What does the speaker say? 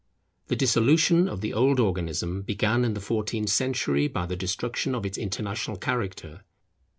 The dissolution of the old organism began in the fourteenth century by the destruction of its international character.